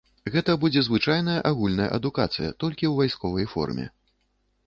Гэта будзе звычайная агульная адукацыя, толькі ў вайсковай форме.